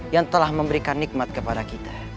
yang telah memberikan nikmat kepada kita